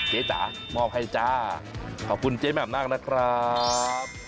จ๋ามอบให้จ้าขอบคุณเจ๊แหม่มมากนะครับ